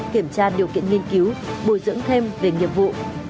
kiểm tra điều kiện nghiên cứu bồi dưỡng thêm về nghiệp vụ